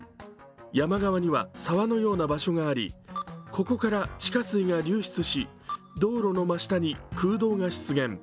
山側には沢のような場所がありここから地下水が流出し道路の真下に空洞が出現。